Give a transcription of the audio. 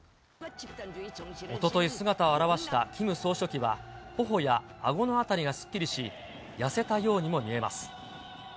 おととい、姿を現したキム総書記は、ほほやあごの辺りがすっきりし、痩せたようにも見えます。